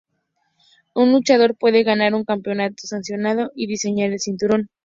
Un luchador puede ganar un campeonato sancionado y rediseñar el cinturón.